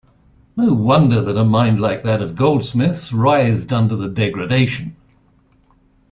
No wonder that a mind like that of Goldsmith's writhed under the degradation!